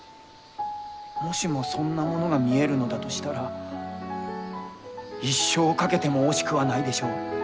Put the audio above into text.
もしもそんなものが見えるのだとしたら一生を懸けても惜しくはないでしょう。